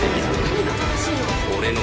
「何が正しいの？」